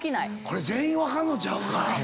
これ全員分かんのちゃうか？